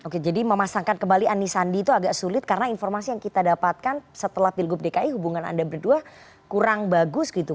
oke jadi memasangkan kembali ani sandi itu agak sulit karena informasi yang kita dapatkan setelah pilgub dki hubungan anda berdua kurang bagus gitu